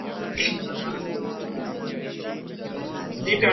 Juma ameshinda tuzo kubwa sana